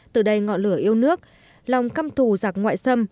từ đây ngọn lửa yêu nước lòng căm thù giặc ngoại xâm